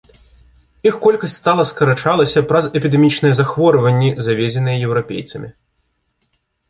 Іх колькасць стала скарачалася з-за эпідэмічных захворванняў, завезеных еўрапейцамі.